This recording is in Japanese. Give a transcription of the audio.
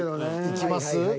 いきます？